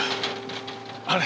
あれ？